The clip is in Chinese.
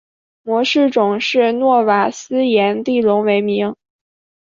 模式种是诺瓦斯颜地龙为名。